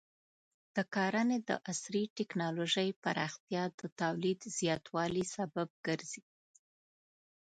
د کرنې د عصري ټکنالوژۍ پراختیا د تولید زیاتوالي سبب ګرځي.